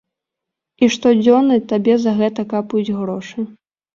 І штодзённа табе за гэта капаюць грошы.